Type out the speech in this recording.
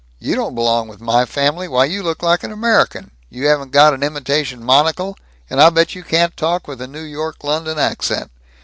You don't belong with my family. Why, you look like an American. You haven't got an imitation monocle, and I bet you can't talk with a New York London accent.